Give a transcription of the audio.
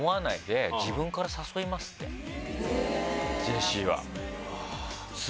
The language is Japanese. ジェシーは。